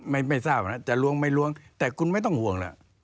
ไม่ไม่ทราบนะจะล้วงไม่ล้วงแต่คุณไม่ต้องห่วงล่ะ